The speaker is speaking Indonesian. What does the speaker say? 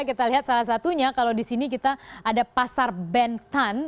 kita lihat salah satunya kalau di sini kita ada pasar bentan